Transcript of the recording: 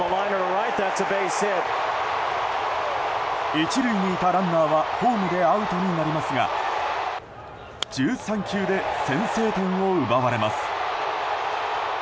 １塁にいたランナーはホームでアウトになりますが１３球で先制点を奪われます。